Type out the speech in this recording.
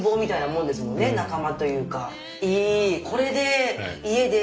いい。